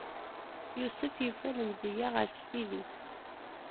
Yusef yufa lemzeyya ɣer Ssid-is.